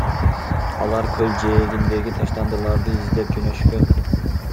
Алар көл жээгиндеги таштандыларды издеп жөнөшкөн.